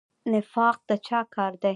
نفاق د چا کار دی؟